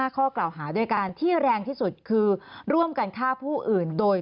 ข้อกล่าวหาด้วยการที่แรงที่สุดคือร่วมกันฆ่าผู้อื่นโดย